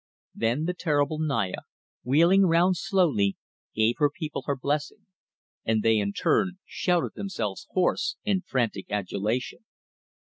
Then the terrible Naya, wheeling round slowly, gave her people her blessing, and they, in turn, shouted themselves hoarse in frantic adulation.